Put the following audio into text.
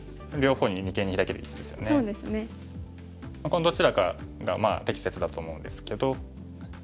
このどちらかが適切だと思うんですけど。